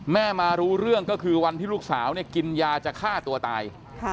มารู้เรื่องก็คือวันที่ลูกสาวกินยาจะฆ่าตัวตาย